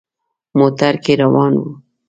موټر کې روان وو.